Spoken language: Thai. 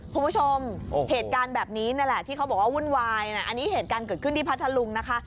คุณผู้ชมเหตุการณ์แบบนี้นั่นแหละที่เขาบอกว่าวุ่นวายนะอันนี้เหตุการณ์เกิดขึ้นที่พัทธลุงนะคะ